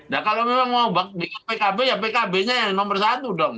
nah kalau memang mau di pkb ya pkb nya yang nomor satu dong